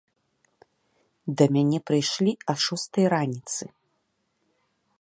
Да мяне прыйшлі а шостай раніцы.